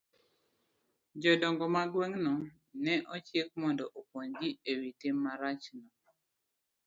Jodongo mag gweng'no ne ochik mondo opuonj ji e wi tim marachno.